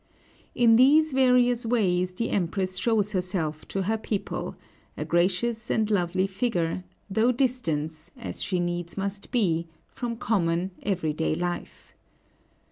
In these various ways the Empress shows herself to her people, a gracious and lovely figure, though distant, as she needs must be, from common, every day life.